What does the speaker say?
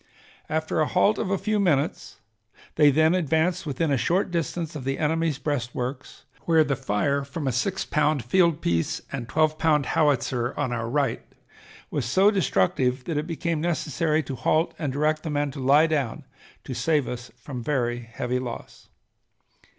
After a halt of a few minutes they then advanced within a short distance of the enemy's breastworks where the fire from a six pound field piece and twelve pound howitzer on our right was so destructive that it became necessary to halt and direct the men to lie down to save us from very heavy loss.